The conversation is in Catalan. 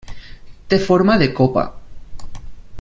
Té forma de copa.